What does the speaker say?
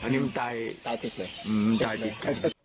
อันนี้มันตายตายจริงเลยอืมตายจริง